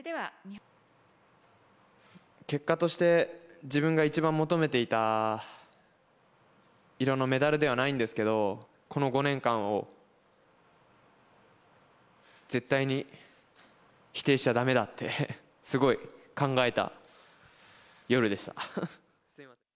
結果として、自分が一番求めていた色のメダルではないんですけど、この５年間を、絶対に否定しちゃだめだって、すごい考えた夜でした。